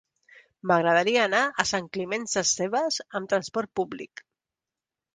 M'agradaria anar a Sant Climent Sescebes amb trasport públic.